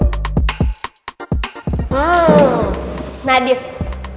kalau di acara ulang tahun sekolah nanti lo ikut stand up comedy entferna